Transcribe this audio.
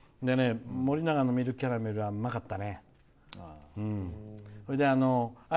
森永のミルクキャラメルはうまかったね。